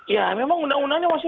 ya memang undang undangnya masih